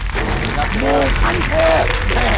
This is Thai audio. สวัสดีครับมูขั้นเทพ